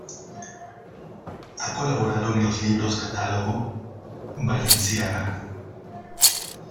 Ha colaborado en los libros-catálogo "Balenciaga.